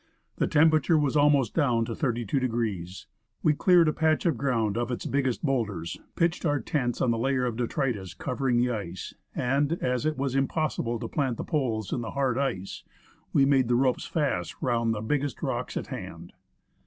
The temperature was almost down to 32^, We cleared a patch of ground of its biggest boulders, pitched our tents on the layer of detritus covering the ice, and, as it was im possible to plant the poles in the hard ice, we made the ropes fast round the bio aest rocks at hand.